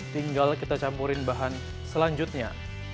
tinggal kita campurin bahan selanjutnya